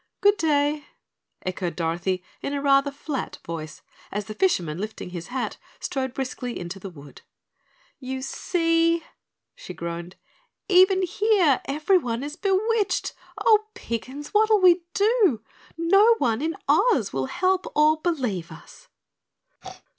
"Good day," echoed Dorothy in a rather flat voice, as the fisherman, lifting his hat, strode briskly into the wood. "You see!" she groaned. "Even here everyone is bewitched. Oh, Piggins, what'll we do? No one in Oz will help or believe us."